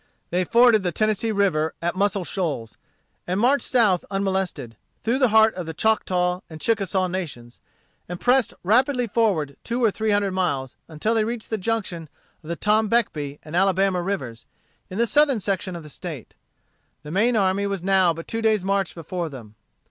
They forded the Tennessee River at Muscle Shoals, and marched south unmolested, through the heart of the Choctaw and Chickasaw nations, and pressed rapidly forward two or three hundred miles, until they reached the junction of the Tombeckbee and Alabama rivers, in the southern section of the State. The main army was now but two days' march before them.